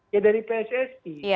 ya dari pssi